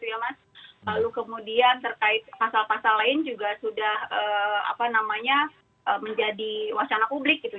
lalu kemudian terkait pasal pasal lain juga sudah menjadi wacana publik gitu